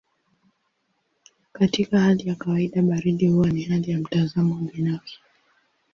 Katika hali ya kawaida baridi huwa ni hali ya mtazamo binafsi.